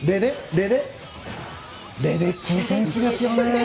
レデッキー選手ですよね。